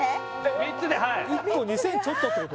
３つではい１個２０００ちょっとってこと？